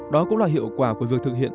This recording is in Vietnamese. đó cũng là hiệu quả của việc thực hiện